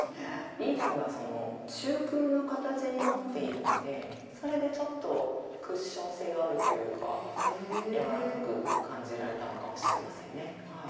ビーズが中空の形になっているのでちょっとクッション性があるというか柔らかく感じられたのかもしれませんね。